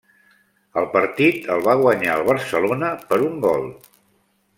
El partit el va guanyar el Barcelona per un gol.